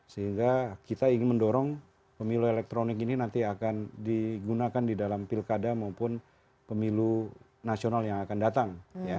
sehingga kita ingin mendorong pemilu elektronik ini nanti akan digunakan di dalam pilkada maupun pemilu nasional yang akan datang